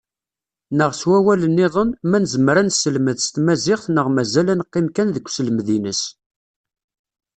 Neɣ s wawal-nniḍen, ma nezmer ad neselmed s tmaziɣt neɣ mazal ad neqqim kan deg uselmed-ines?